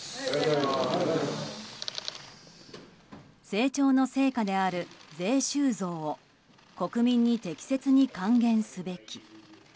成長の成果である税収増を国民に適切に還元すべき。